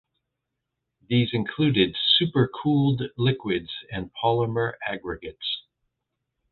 These included supercooled liquids and polymer aggregates.